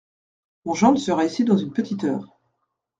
Mon gendre sera ici dans une petite heure…